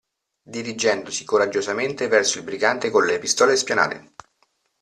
Dirigendosi coraggiosamente verso il brigante colle pistole spianate.